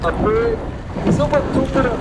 پوه انسان لږې خبرې کوي.